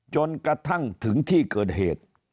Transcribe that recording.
จนกระทั่งถึงที่เกิดเหตุ